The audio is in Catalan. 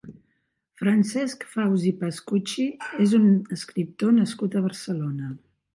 Francesc Faus i Pascuchi és un escriptor nascut a Barcelona.